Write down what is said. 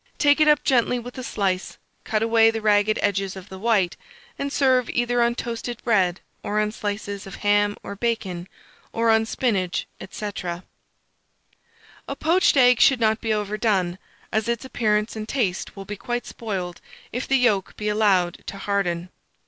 Take it up gently with a slice, cut away the ragged edges of the white, and serve either on toasted bread or on slices of ham or bacon, or on spinach, &c. A poached egg should not be overdone, as its appearance and taste will be quite spoiled if the yolk be allowed to harden.